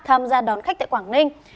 tham gia đón khách tại quảng ninh